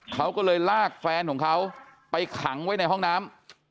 เขาก็เลยลากแฟนของเขาไปขังไว้ในห้องน้ำ